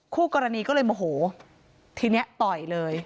คู่กรณีก็เลยโมโหทีนี้ต่อยเลย